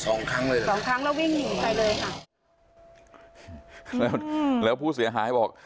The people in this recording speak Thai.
สองครั้งแล้ววิ่งหนีไปเลยค่ะแล้วแล้วผู้เสียหายบอก